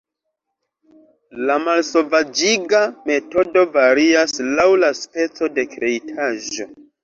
La malsovaĝiga metodo varias laŭ la speco de kreitaĵo.